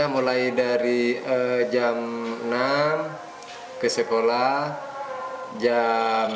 mulai dari jam enam ke sekolah jam setengah dua pulang dari sekolah langsung ke tambak